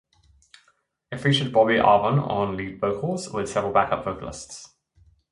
It featured Bobby Arvon on lead vocals, with several back-up vocalists.